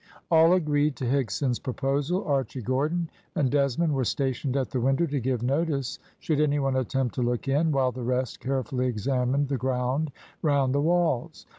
All agreed to Higson's proposal. Archy Gordon and Desmond were stationed at the window to give notice should any one attempt to look in, while the rest carefully examined the ground round the walls.